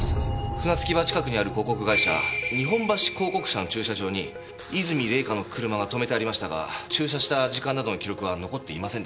船着き場近くにある広告会社日本橋広告社の駐車場に和泉礼香の車が止めてありましたが駐車した時間などの記録は残っていませんでした。